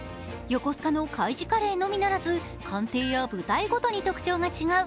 横須賀の海自カレーのみならず艦艇や部隊ごとに特徴が違う